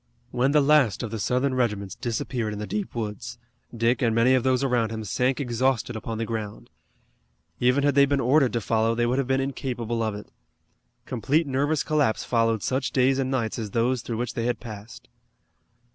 When the last of the Southern regiments disappeared in the deep woods, Dick and many of those around him sank exhausted upon the ground. Even had they been ordered to follow they would have been incapable of it. Complete nervous collapse followed such days and nights as those through which they had passed.